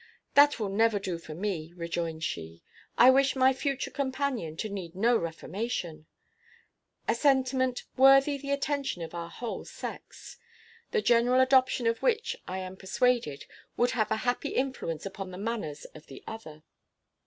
"That will never do for me," rejoined she; "I wish my future companion to need no reformation" a sentiment worthy the attention of our whole sex; the general adoption of which, I am persuaded, would have a happy influence upon the manners of the other.